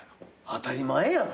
当たり前やん。